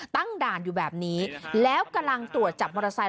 ตั้งด่านอยู่แบบนี้แล้วกำลังตรวจจับมอเตอร์ไซค